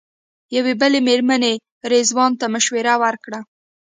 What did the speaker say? یوې بلې مېرمنې رضوان ته مشوره ورکړه.